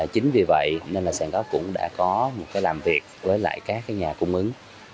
chính vì vậy sàn góc cũng đã có một làm việc với các nhà cung ứng